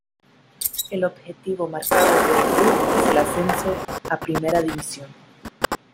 El objetivo marcado por el club es el ascenso a Primera División.